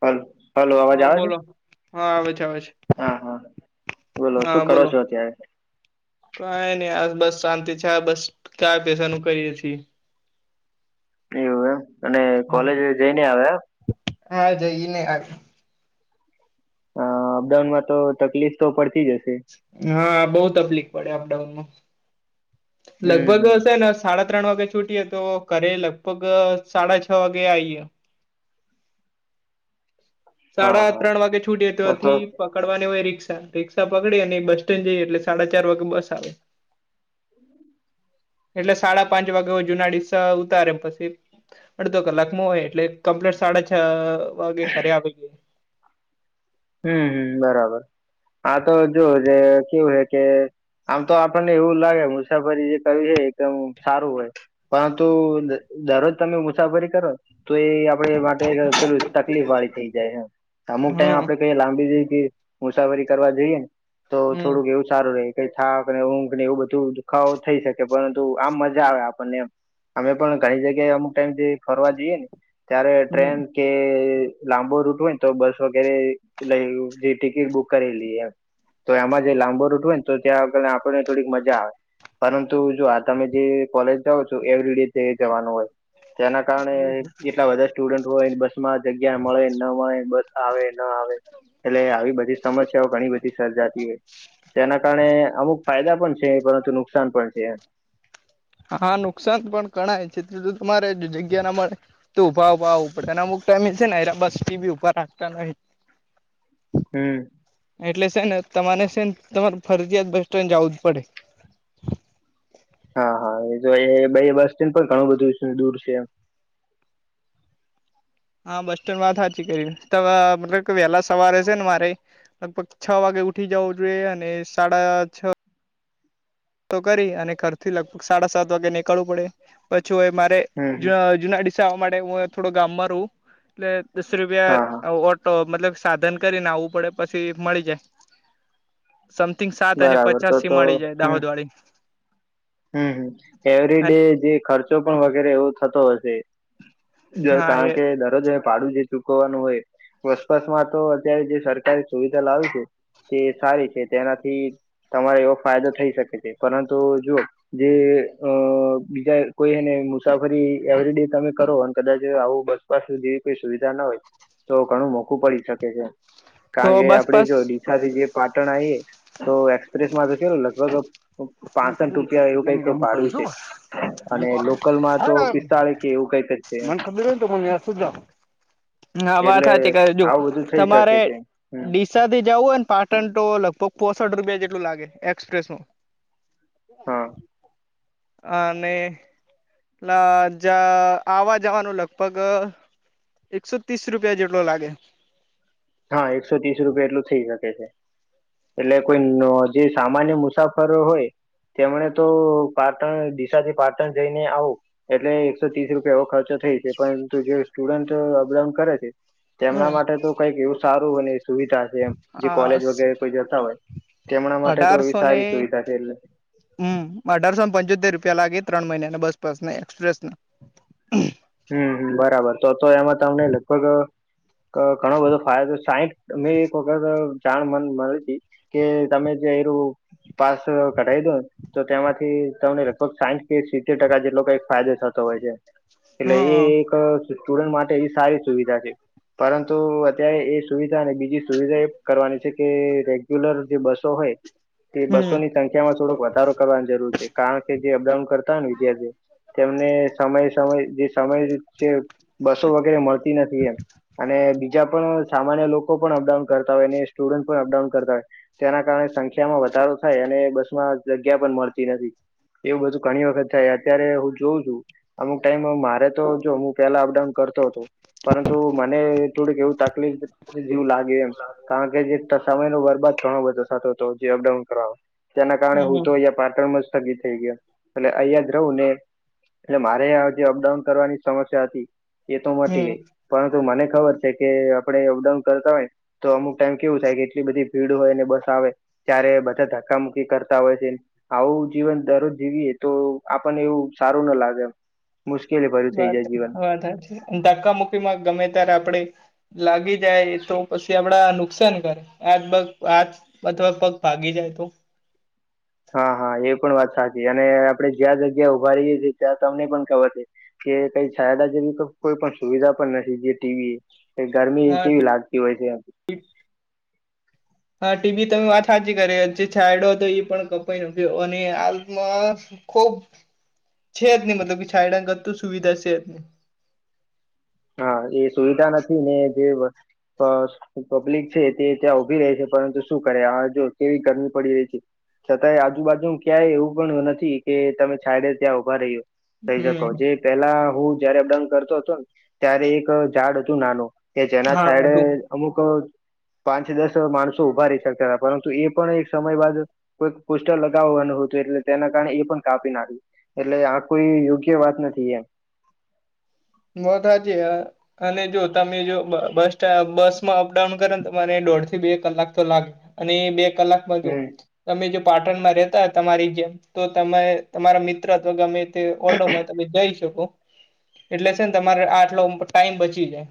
હાલો. હ બોલો હા આવે છે, આવે છે, હા હા બોલો શું હા કરો બોલો છો અત્યારે કઈ ની આ બસ શાંતિ છે, બસ ગાય ભેંસા નું કરીએ છીએ. એવું એમ અને હા કોલેજ જઈને આવ્યા એમ? હા જઈને [unintelligible] અ અપ ડાઉનમાં તો તકલીફ તો પડતી જ હશે. હા બઉ તકલીફ પડે અપ ડાઉનમાં હમ લગભગ હમ હશેને સાડા ત્રણ વાગે છૂટીએ તો ઘરે લગભગ સાડા છ વાગે આયે હા સાડા હા ત્રણ વાગે છૂટીયે તો તો ત્યાંથી પકડવાની હોય રિક્ષા રિક્ષા પકડી અને બસ સ્ટેન્ડ જઈએ એટલે સાડા ચાર વાગે બસ આવે એટલે સાડા પાંચ વાગે જુના ડિસા ઉતારે પછી અડધો કલાકમાં હોય એટલે કમ્પ્લેટ સાડા છ વાગે ઘરે આવે હમ બરાબર આ તો જોુવ જે કેવું હે કે આમ તો આપણને એવું લાગે મુસાફરી જે કરીયે એકદમ સારું હોય પરંતુ દરરોજ તમે મુસાફરી કરો તો એ એ માટે પેલું તકલીફ વાળી થઈ જાય અમુક ટાઈમ હમ [unintelligible] મુસાફરી કરવા જઈએ ને તો હમ થોડુંક એવું સારું રે કઈ થાક ને ઊંઘ ને એવું બધું દુખાવો થઈ શકે પરંતુ આમ મજા આવે આપણને એમ અમે પણ ઘણી જગ્યા અમુ ટાઈમેથી ફરવા જીએ ને ત્યારે ટ્રેન હા કે લાંબો રૂટ હોયને તો બસ વગેરે લય જે ટિકિટ બુક કરી લીએ એમ તો એમાં જે લાંબો રૂટ હોય ને તો ત્યાં આગળ આપણને થોડીક મજા આવે પરંતુ જો આ તમે જે કોલેજ જાઓ છો એવરીડી જે જવાનું હોય જેના કારણે એટલા બધા સ્ટુડન્ટ હોયને બસ માં જગ્યા મળે ન મળે બસ આવે ન આવે એટલે આવી બધી સમસ્યાઓ ઘણી બધી સર્જાતી હોય તેના કારણે અમુક ફાયદા પણ છે, પરંતુ નુકસાન પણ છે. હા નુકસાન પણ ઘણાય છે, એટલે તમારે જગ્યા ના મળે તો ઉભા ઉભા આવવું પડે એ અમુક ટાઈમ છે, નેરા બસી બી ઉપભા રાખતા નહી હમ. એટલે છે, ને તમારે છે, તમારે ફરજીયાત બસ સ્ટેન્ડ જવું જ પડે હા હા એ [unintelligible] બસ સ્ટેન્ડ પણ ઘણું બધું દૂર છે, એમ હા બસ સ્ટેન્ડમાં વાત હાચી કરી મતલબ કે વહેલા સવારે છે, ને મારે લગભગ છ વાગે ઉઠી જવો જોઈએ અને સાડા છ તો કરી અને ઘરથી લગભગ સાડા સાત વાગે નીકળવું પડે પછીય મારે હમ હમ [unintelligible] જૂનાડીસા આવા માટે હું થોડું ગામમાં ર હવ એટલે દસ હા હા રૂપિયા ઓ તો મતલબ સાધન કરીને આવવું પડે પછી મળી જાય સમથિંગ સાત અને બરાબર તો પચાસથી તો મળી જાય હમ દાહોદ વાળી હમ હમ એવરી ડે જે ખર્ચો પણ વગેરે એવો થતો હશે હા કારણ એ કે દરરોજ ભાડું જે ચૂકવવાનું હોય બસપાસમાં તો અત્યારે જે સરકારે સુવિધા લાવી છે. તે સારી છે, તેનાથી તમારે એવો ફાયદો થઈ શકે છે, પરંતુ જુઓ જે અ બીજા કોઈને મુસાફરી એવરી ડે તમે કરો અને કદાચ આવો બસ બસ સુધી સુવિધા ન હોય તો ઘણું મોઘું પડી શકે છે. તો કારણ કે બસ આપડે બસ જો ડીસાથી જે પાટણ આયે તો એકસ એક્સપ્રેમાં લગભગ કેટલું મને પાસથ ખબર રૂપીયા હતી એવું એટલે મેં કઈક એમ કર્યું ભાડું છે, હતું. અને લોકલમાં તો પિસ્તાળી કે એવું કઈક છે મન ખબર હોય તો મ સુધા હા વાત એટલે સહાચી આવું બધું [unintelligible] થઈ તમારે શકે છે ડી હમ ડીસાથી જાવું હોય ને પાટણ તો લગભગ પોસઠ રૂપિયા જેટલું લાગે એક્સપ્રેસમાં હાં અને પ્લા જા આવવા જવાનું લગભગ અ એકસો તીસ રૂપિયા જેટલો લાગે હાં એકસો તીસ રૂપિયા એટલું શકે છે એટલે કોઈનો જે સામાન્ય મુસાફરો હોય તેમણે તો પાટણ દિશાથી પાટણ જઈને આવું. એટલે એકસો તીસ રૂપિયા એવો ખર્ચો થઇ છે પરંતુ જે સ્ટુડન્ટ અપડાઉન કરે છે તેમના હમ માટે તો કંઈક એવું સારું બને. સુવિધા છે એમ જે આ કોલેજ વગેરે કોઈ જતા હોય તેમના માટે તો એવી સારી સુવિધા છે એટલે હમ્મ અઢારસો ને પંચોતેર રૂપિયા લાગે ત્રણ મહિનાના બસ પાસના એક્સપ્રેસના હમ્મ બરાબર તો તો એમાં તમને ન [unintelligible] ઘણો બધો ફાયદો સાઈઠ મેં એક વખત જાણ મને મળી હતી કે તમે જે [unintelligible] પાસ કઢાઈ દો તો તેમાંથી તમને લગભગ સાઈઠ કે સિત્તેર ટકા જેટલો કંઈક ફાયદો થતો હોય છે. એટલે એ હા એક સ્ટુડન્ટ માટે એ સારી સુવિધા છે. પરંતુ અત્યારે એ સુવિધા અને બીજી સુવિધા એ કરવાની છે કે રે ગ્યુલર જે બસો હોય તે હમ બસોની સં માં થોડોક વધારો કરવાની છે કારણ કે જે અપડાઉન કરતા હોય ને વિધાર્થીઓ તેમને સમય સમય જે સમય છે બસો વગેરે મળતી નથી એમ અને બીજા પણ સામાન્ય લોકો પણ અપડાઉન કરતા હોય ને સ્ટુડન્ટ પણ અપડાઉન કરતા હોય તેના કારણે સંખ્યામાં વધારો થાય અને બસ માં જગ્યા પણ મળતી નથી. એવું બધું ઘણી વખત થાય અત્યારે હું જોઉં છું અમુક ટાઈમ માં મા રે તો જો હું પેલા અપડાઉન કરતો હતો પરંતુ મને થોડીક એવું તકલીફ જેવું લાગે એમ કારણ કે જે સમય નો બરબાદ ઘણો બધો થતો તો જે અપડાઉન કરવામા જેના કારણે હમ હું તો અઈયા પાટણમાં સ્થગિત થઈ ગયો. એટલે અઈયા જ રહું ને એટલે મારે અ જે અપડાઉન કરવાની સમસ્યા હતી એ તો મટી હમ ગઈ પરંતુ મને ખબર છે કે આપણે અપડાઉન કરતા હોય તો અમુક ટાઈમ કેવું થાય કે એટલી બધી ભીડ હોય ને બસ આવે ત્યારે બધા ધક્કા મુુકી કરતા હોય છે. આવું જીવન દરરોજ જીવીએ તો આપણને એવું સારું ન લાગે મુશ્કેલી [unintelligible] વાત જીવન વાત હાચી ધક્કામુુકી માં ગમે તારે આપડે લાગી જાય તો પસી આપડા નુકસાન કરે આજ [unintelligible] અથવા પગ ભાગી જાય તો હા હા એ પણ વાત સાચી અને આપડે જ્યાં જગ્યા ઉભા રહિએ છીએ ત્યાં તમને પણ ખબર છે. કે કઈ છાયદા જેવી તો કોઈ પણ સુવિધા પણ નથી જે ટી વી કે ગરમી હા કેવી લાગતી હોય છે હા ટી વી તમે વાત હાચી કર જે છાયડો હતો ઈ પણ કપાઈ ગ્યો અને આલમાં ખુબ છે જ નહી મતલબ કે છાયડા કરતું સુવિધા છે હા એ સુવિધા નથી ને જે [unintelligible] જે પબ્લિક છે તે ત્યાં ઉભી રહે છે, પરંતુ શું કરે આ જો કેવી ગરમી પડી રહી છે. છતાંય આજુબાજુ ક્યાંય એવું પણ નથી કે તમે છાયડે ત્યાં ઉભા રઈ હ થઈ શકો હમ જે પેલા હું જયારે અપડાઉન કરતો તો ને ત્યારે એક ઝાડ હતું નાનું કે જેના હા છાયડે હતું અમુક પાંચ દસ માણસો ઊભા રેતા તા પરંતુ એ પણ એક સમય બાદ કોઈક પોસ્ટર લગાવવાનું હતું એટલે તેના કારણે એ પણ કાપી નાખ્યું. એટલે આ કોઈ યોગ્ય વાત નથી એમ. વાત હાચી હા. અને જો તમે જો બ-બસસ્ટા-બસમાં અપડાઉન કર ને તો મારે દોઢ થી બે કલાક તો લાગે. અને એ બે કલાક તમે જો હમ તમે જે પાટણમાં રેતા તમારી જેમ તો તમે તમારા મિત્ર અથવા ગમે તે ઓડોમાં તમે જઈ શકો. એટલે છે ને તમારે આટલો ટાઈમ બચી જાય.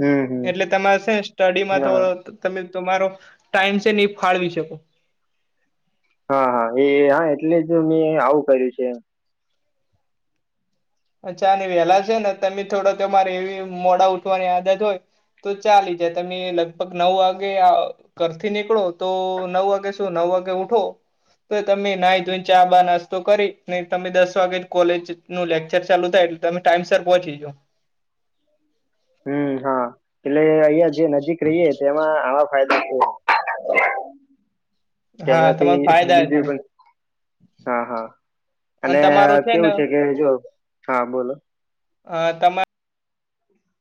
હમ હમ એટલે તમારે સે ને સ્ટડીમાં તો હા ત તમે તમારો ટાઈમ છે ને ઈ ફાળવી શકો. હા હા એ હા એટલે જ મેં આવું કર્યું છે. અચ્છા અને વેહેલા છે ને તમે થોડો તમારે એવી મોડા ઉઠવાની આદત હોય તો ચાલી જાય તમે લગભગ નવ વાગે આ ઘરથી નીકળો તો નવ વાગે શું નવ વાગે ઉઠો તો તમે નાઇધોઈન ચા બા નાસ્તો કરી ને તમે દસ વાગે કોલેજનું લેક કચર ચાલુ એટલે તમે ટાઈમસર પહોંચી જો. હમ્મ હા એટલે અહિયાં જે નજીક રહીએે તેમાં આવા ફાયદા હોય હા જેનાથી તમારા ફાયદા બીજું થાય પણ હા હા અને કેવું છે કે જો. હા બોલો. અ તમા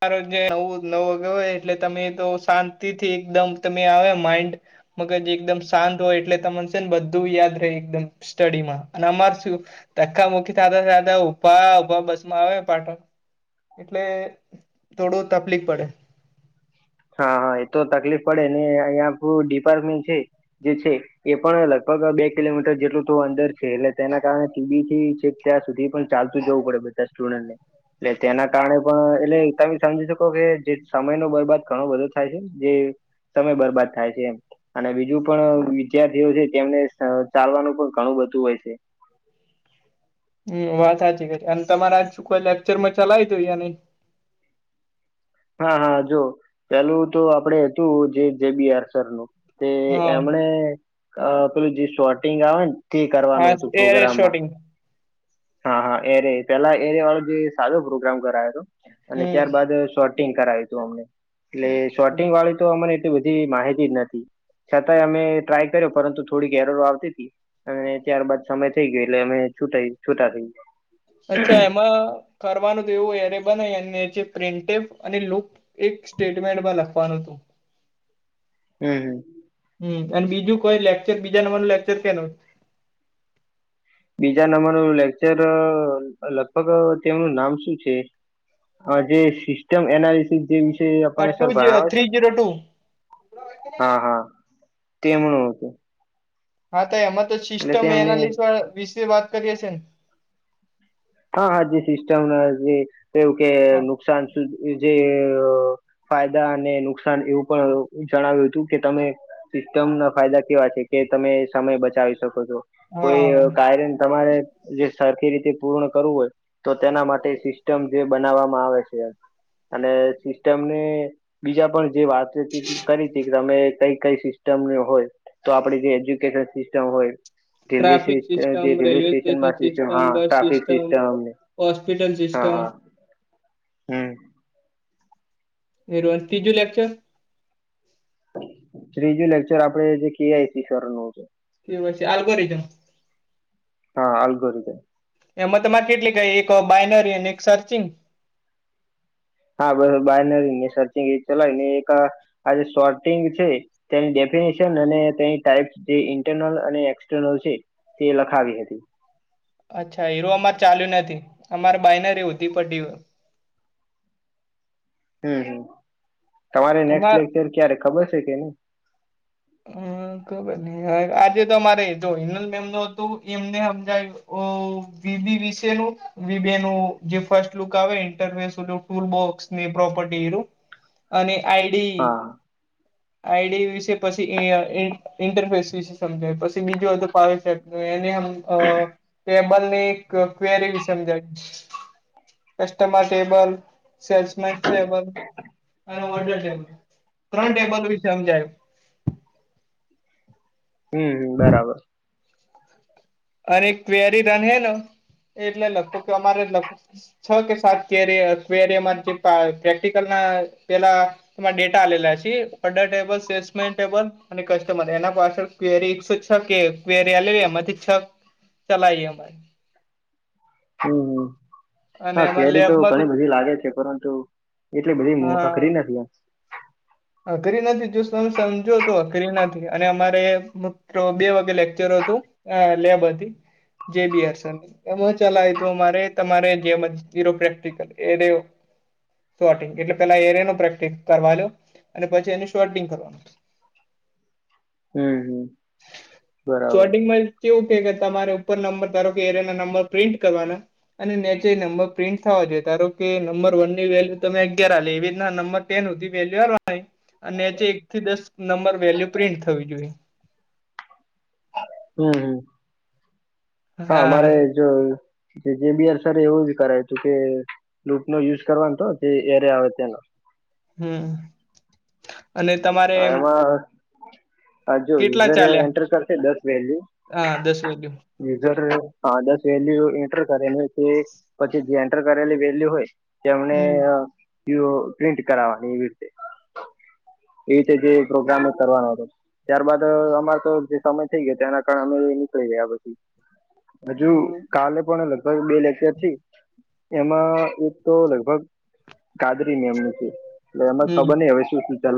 જ નવું નવું ગ હોય એટલે તમે તો શાંતિથી એકદમ તમે આવે માઇન્ડ મગજ એકદમ શાંત હોય એટલે તમોન છે ન બધું યાદ રે એકદમ. સ્ટડીમાં અને અમાર શું ધક્કા મુક્કી થાતા થાતા ઊભા ઊભા બસમાં આવે પાટણ. એટલે થોડું તફલીક પડે. હા હા એ તો તકલીફ પડે ને અહિંયા આપણું ડીપાર્ટમેન્ટ છે જે છે એ પણ લગભગ બે કિલોમીટર જેટલું તો અંદર છે એટલે તેના કારણે ટીબીથી છેક ત્યાં સુધી પણ ચાલતું જવું પડે બધા સ્ટુડન્ટને. એટલે તેના કારણે પણ એટલે તમે સમજી શકો કે જે સમયનો બરબાદ ઘણો બધો થાય છે જે સમય બરબાદ થાય છે એમ. અને બીજું પણ વિદ્યાર્થીઓ છે તેમને ચાલવાનું પણ ઘણું બધું હોય છે. હમ્મ.. વાત સાચી કે છો અને તમારે આ શું કોઈ લેક્ચરમાં ચલાવી તો યા નઈ. હા હા જો. પેલું તો આપડે હતું જે જે બીઆર સરનું તે હા એમણે અ પેલું જે શોટિંગ આવે ન તે કરવાનું હતું હા એરે પોગ્રામમાં. શોટિંગ હા હા એરે. પેલા એરે વાળો જે સાારો પ્રોગ્રામ કરાયો તો. અને હમ ત્યારબાદ શોર્ટિંગ કરાયું તું અમને. એટલે શોર્ટિંગવાળું તો અમને એ ટલી બધી માહિતી જ નતી. છતાંય અમે ટ્રાય કર્યો પરંતુ થોડી એરરો આવતી તી. અને ત્યારબાદ સમય થઈ ગ્યો એટલે અમે છૂટાય છૂટા થઈ ગ્યા. અચ્છા એમાં કરવાનું તો એવું હોય એરે બનાઈ અને જે પ્રીન્ટેબ અને લુપ એક સ્ટેટમેન્ટમાં લખવાનું હતું. હમ. હમ. હમ અને બીજું કોઈ લેક્ચર બીજા નંબરનો લેકચર કેનો? બીજા નંબરનો લેક્ચર લગભગ તેમનું નામ શું છે? અ જે સિસ્ટમ એનાલિસસ જે વિષય આ આપણને ટુ સર ભણાવે છે થ્રી ન જીરો ટુ હા હા તેમનું હતું હા તો એમાં તો એટલે સિસ્ટમ તેમને એનાલિસ વિશે વાત કરી હશે ન? હા હા જે સિસ્ટમ ન [unintelligible] એવું કે હા નુકસાન જેએ ફાયદા અને નુકસાન એવું પણ જણાવ્યું હતું કે તમે સિસ્ટમના ફાયદા કેવા છે કે તમે સમય બચાવી શકો છો. કોઈ હા. કાર્યન તમારે જે સરખી રીતે પૂર્ણ કરવું હોય તો તેના માટે સિસ્ટમ જે બનાવવામાં આવે છે અને સિસ્ટમને બીજા પણ જે વાત [unintelligible] કે તમે કઈ- કઈ સિસ્ટમ હોય તો આપડી જે એજ્યુકેશન સિસ્ટમ હોય ટ્રાફિક [unintelligible] સિસ્ટમ જે રેલવે સ્ટેશનમાં સ્ટેશન સિસ્ટમ હા બસ ટ્રાફિક સિ સિસ્ટમ હોસ્પિટલ સિસ્ટમ હમમ. એ રોજ ત્રીજું લેક્ચર ત્રીજું લેક્ચર આપડે જે કેઆઈસી સરનો હતો એ હોય છે. [unintelligible] હા [unintelligible] એમાં તમારે કેટલી કંઈ એક બાાયનરી અને એક સર્ચિંગ, હા બસ બાયનરી ને સર્ચિંગ ચલાવીને એક આજે શોર્ટિંગ છે, તેની ડેફિનેશન અને તેની ટાઈપ્સ જે ઇન્ટરનલ અને એક્સટર્નલ છે, તે લખાવી હતી, અચ્છા હીરો અમારે ચાલ્યું નથી, અમારે બાયનરવી ઊંધી પટી હું હું તમારે નેક્સ્ટ અમાર લેક્ચર ક્યારે ખબર છે, કે નઈ? હું ખબર નઈ આજે તોરે જો હિનલ મેમનો હતું એમને સમજાવ્યું, ઓ વી વિશે નો વેબ નેજે ફર્સ્ટલુક આવે ઇન્ટર [unintelligible] ટૂલ બોક્સની પ્રોપર્ટીરુ, [unintelligible] [inaudible] અને આઈડી હા આઈડી વિશે પછી એ એ ઇન્ટરફેસ વિશે સમજાય પછી બીજુ બધું [unintelligible] એને આમ, ટેબલ ની ક્વેરી વિશે સમજાવી, કસ્ટમા ટેબલ સેલ્સમેન ટેબલ, [unintelligible] ત્રણ ટેબલ વિશે સમજાય, હમમ બરાબર અરે ક્વેરી રન હે ન એટલે કે અમારે લખેલું, છ કે સાતરવેર જે પ્રેક્ટિકલ ના પેલા, કેમાં ડેટા આલાલા સે પડ્ડા ટેબલ સેલ્સમેન ટેબલ, અને કસ્ટમર એના પાછળ ક્વેરી એકસો છ કે ક્વેરી લે એમાંથી છ ચલાઈએ અમાઈ હુંમમ. અને હા અમારે શેરી તો લેબમાં ઘણી બધી લાગે છે, પરંતુ એટલી બધી અઘરી નથી આ અધરી નથી જો તમ સમજો તો કરી નથી અને અમારે બે વાગે લેકચર હતું, હ લેબ હતી, જે બીયાસર. એમાં ચલાય તો મારે તમારે [unintelligible] પ્રેક્ટિકલ એ દેવું, શોટિંગ એટલે પેલા એ [unintelligible] પ્રેક્ટિસ કરવા લો અને પછી એનું શોર્ટિંગ કરવાનું [unintelligible] હમ હમ બરાબર [unintelligible] કેવું કે તમારે ઉપર નંબર ધારો કે એરિયા ના નંબર પ્રિન્ટ કરવાના અને નેચે નંબર પ્રિન્ટ થવા જોઈએ, હ તારો કે નંબર વન ની વેલ્યુ તમે અગિયાર આલી એવી રીતના નં ટેન હુધી વેલ્યુવા [unintelligible] અને એક થી દસ નંબર વેલ્યુ પ્રિન્ટ થવી જોએ હમ હમ. હા અમારે જો જે બીઆર સર એવું જ કરાય હતું કે લૂપનો યુઝ કરવાનો તો તે એરે આવે તેનો હમ અને તમારે હા, એમાં આ જો કેટલા યુઝર ચાલ્યા એન્ટર કરશે દસ વેલયુ હા દસ વેલ્યુ યુઝર હા દસ વેલ્યુ એન્ટર કરેલી હોય કે પછી જે એન્ટર કરેલી વેલ્યુ હોય તેમને હમ પિઅ પ્રિન્ટ કરાવવાની એવી રીતે એ રીતે જે પ્રોગ્રામ કરવાનો હતો. ત્યારબાદ અમારે તો જે સમય થઈ ગયો એના કારણે નીકળી ગયા પછી હજુ કાલે પણ લગભગ બે લેકચરથી એમાં એક તો લગભગ ગાદરી મેમની છે, એમાં હમ ખબને હવે શું ચાલે